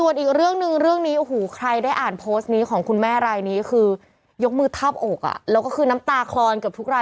ยกมือทับอกอะแล้วก็คือน้ำตาคลอนเกือบทุกราย